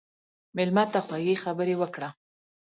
مېلمه ته خوږې خبرې وکړه.